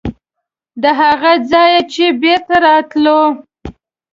د هغه ځایه چې بېرته راتلو.